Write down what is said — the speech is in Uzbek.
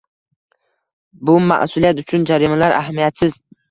Bu mas'uliyat uchun jarimalar ahamiyatsiz